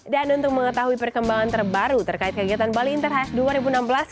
dan untuk mengetahui perkembangan terbaru terkait kegiatan bali interhash dua ribu enam belas